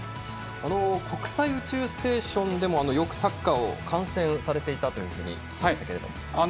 国際宇宙ステーションでもよくサッカーを観戦されていたと聞きましたけれども。